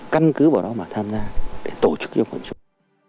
căn cứ vào đó mà tham gia để tổ chức cho quần chúng